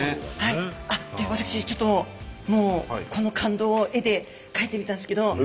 私ちょっともうこの感動を絵で描いてみたんですけど。